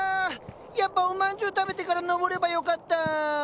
やっぱお饅頭食べてから登ればよかった！